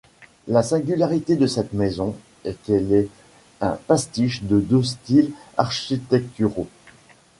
La singularité de cette maison est qu'elle est un pastiche de deux styles architecturaux.